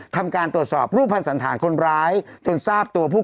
ทำการตรวจสอบรูปภัณฑ์สันธารคนร้ายจนทราบตัวผู้